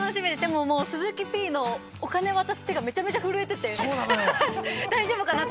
鈴木Ｐのお金を渡す手がめちゃくちゃ震えていて大丈夫かなと。